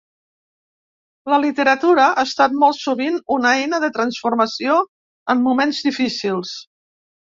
La literatura ha estat molt sovint una eina de transformació en moments difícils.